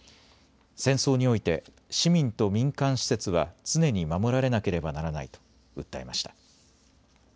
戦争において市民と民間施設は常に守られなければならないと訴えました。